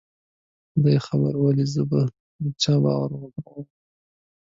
خدای خبر ولې زه په هر چا بې باوره ومه